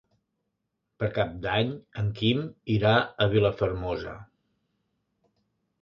Per Cap d'Any en Quim irà a Vilafermosa.